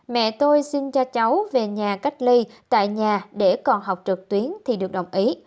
mẹ tôi xin cho cháu về nhà cách ly tại nhà để còn học trực tuyến thì được đồng ý